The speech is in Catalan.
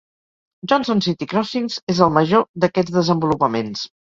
Johnson City Crossings és el major d'aquests desenvolupaments.